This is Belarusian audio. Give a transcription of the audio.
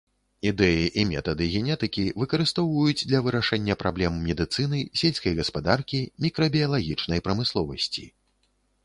Ідэі і метады генетыкі выкарыстоўваюць для вырашэння праблем медыцыны, сельскай гаспадаркі, мікрабіялагічнай прамысловасці.